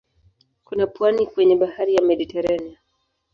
Kuna pwani kwenye bahari ya Mediteranea.